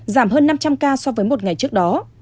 giảm hơn năm trăm linh ca so với một ngày trước đó